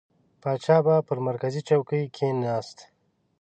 پاچا به پر مرکزي چوکۍ کښېنست.